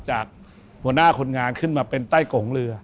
จากหัวหน้าคนงานขึ้นมาเป็นใต้โกงเรือ